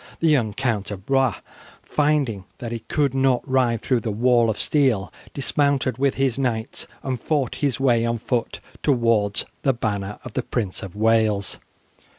The young Count of Blois, finding that he could not ride through the wall of steel, dismounted with his knights and fought his way on foot towards the banner of the Prince of Wales.